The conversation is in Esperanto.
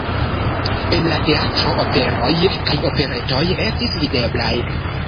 En la teatro operoj kaj operetoj estis videblaj.